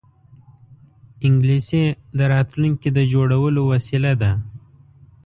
انګلیسي د راتلونکې د جوړولو وسیله ده